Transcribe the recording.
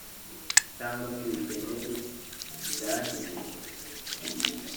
cyangwa nk’ibikenyeri byahiye,